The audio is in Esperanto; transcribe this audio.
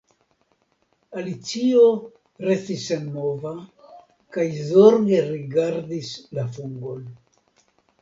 Alicio restis senmova kaj zorge rigardis la fungon.